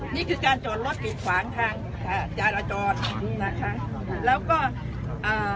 นี่คือการจอดรถกิดขวางทางอ่าจารจรอืมนะคะแล้วก็อ่า